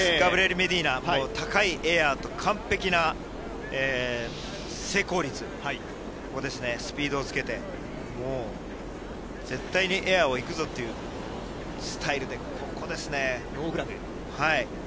高いエアーと完璧な成功率、スピードをつけて絶対にエアーを行くぞというスタイルでここですね。